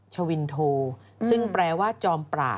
ชวินโทซึ่งแปลว่า